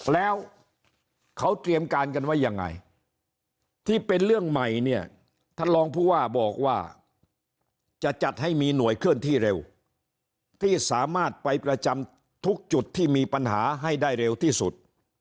แล้วเขาเตรียมการกันไว้ยังไงที่เป็นเรื่องใหม่เนี่ยท่านรองผู้ว่าบอกว่าจะจัดให้มีหน่วยเคลื่อนที่เร็วที่สามารถไปประจำทุกจุดที่มีปัญหาให้ได้เร็วที่สุด